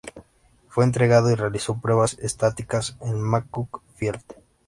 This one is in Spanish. Fue entregado y realizó pruebas estáticas en McCook Field.